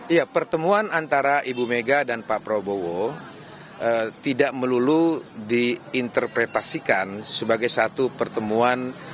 ya pertemuan antara ibu mega dan pak prabowo tidak melulu diinterpretasikan sebagai satu pertemuan